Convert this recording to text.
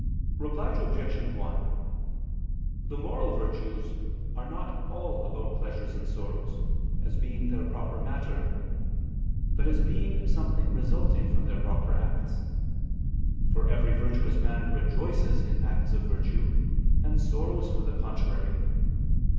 Reply Obj. 1: The moral virtues are not all about pleasures and sorrows, as being their proper matter; but as being something resulting from their proper acts. For every virtuous man rejoices in acts of virtue, and sorrows for the contrary.